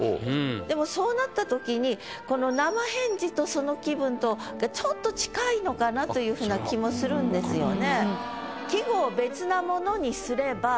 でもそうなった時にこの「生返事」とその気分とがという風な気もするんですよね。